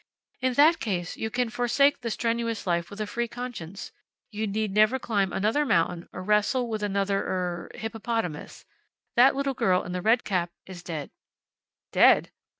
"In that case, you can forsake the strenuous life with a free conscience. You need never climb another mountain, or wrestle with another er hippopotamus. That little girl in the red cap is dead." "Dead?"